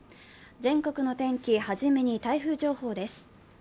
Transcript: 全国の天気、初めに台風情報です。